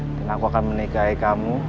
dan aku akan menikahi kamu